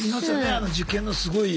あの受験のすごい。